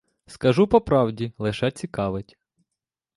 Скажу по правді: лише цікавить.